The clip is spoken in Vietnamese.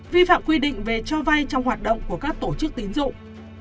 vi phạm quy định về cho vay trong hoạt động của các tổ chức tín dụng